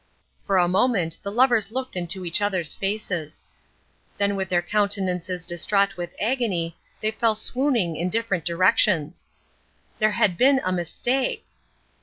For a moment the lovers looked into each other's faces. Then with their countenances distraught with agony they fell swooning in different directions. There had been a mistake!